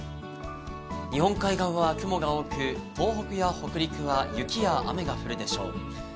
日本海側は雲が多く東北や北陸は雪や雨が降るでしょう。